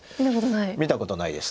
見たことないです。